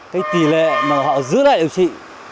cái tỷ lệ mà họ giữ lại điều trị